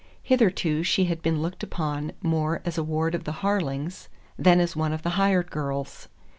Hitherto she had been looked upon more as a ward of the Harlings than as one of the "hired girls."